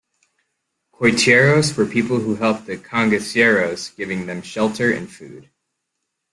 Coiteiros were people who helped the cangaceiros, giving them shelter and food.